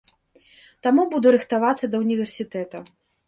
Таму буду рыхтавацца да ўніверсітэта.